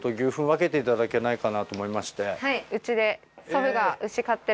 はいうちで。